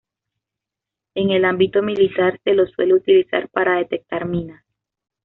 En el ámbito militar se lo suele utilizar para detectar minas.